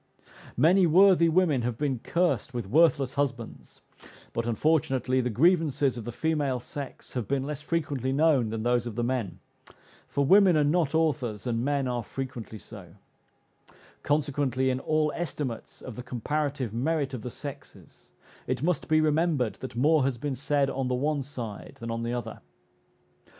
Many worthy women have been cursed with worthless husbands; but, unfortunately, the grievances of the female sex have been less frequently known than those of the men; for women are not authors, and men are frequently so; consequently, in all estimates of the comparative merit of the sexes, it must be remembered that more has been said on the one side than on the other.